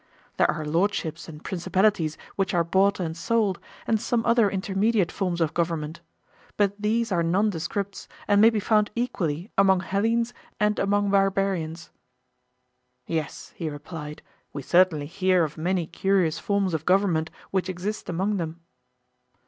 There are lordships and principalities which are bought and sold, and some other intermediate forms of government. But these are nondescripts and may be found equally among Hellenes and among barbarians. Yes, he replied, we certainly hear of many curious forms of government which exist among them.